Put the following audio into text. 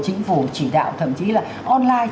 chính phủ chỉ đạo thậm chí là online